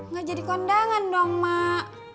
nggak jadi kondangan dong mak